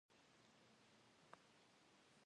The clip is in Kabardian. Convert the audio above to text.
Têmpêratura yin si'eş.